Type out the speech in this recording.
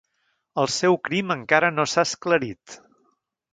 El seu crim encara no s'ha esclarit.